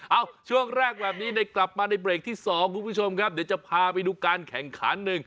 ช่วงแรกแบบนี้ได้กลับมาในเบรกที่๒คุณผู้ชมครับเดี๋ยวจะพาไปดูการแข่งขันหนึ่ง